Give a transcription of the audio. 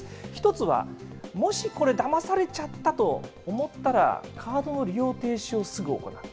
１つはもしこれ、だまされちゃったと思ったら、カードの利用停止をすぐ行う。